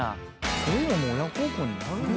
こういうのも親孝行になる。